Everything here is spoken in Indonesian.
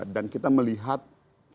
dan kita melihat figur simbolisasi itu